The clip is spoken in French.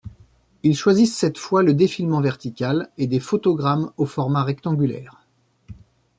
Ils choisissent cette fois le défilement vertical et des photogrammes au format rectangulaire.